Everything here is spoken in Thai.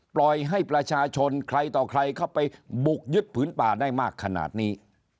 ปล่อยให้ประชาชนใครต่อใครเข้าไปบุกยึดผืนป่าได้มากขนาดนี้